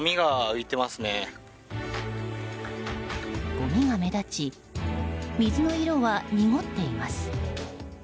ごみが目立ち水の色は濁っています。